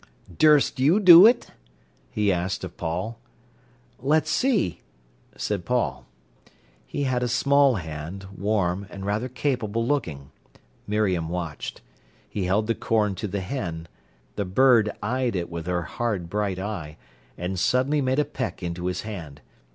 "Durst you do it?" he asked of Paul. "Let's see," said Paul. He had a small hand, warm, and rather capable looking. Miriam watched. He held the corn to the hen. The bird eyed it with her hard, bright eye, and suddenly made a peck into his hand.